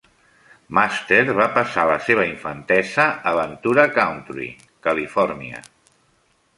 Master va passar la seva infantesa a Ventura Country, Califòrnia.